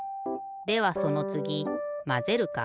ではそのつぎまぜるか？